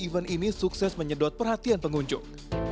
event ini sukses menyedot perhatian pengunjung